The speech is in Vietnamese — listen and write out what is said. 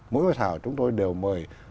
mỗi hội thảo chúng tôi đều mời